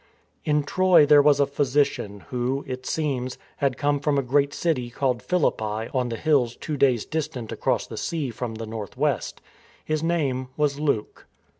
In Troy there was a physician who, it seems, had come from a great city called Philippi on the hills two days distant across the sea from the north west. His name was Luke.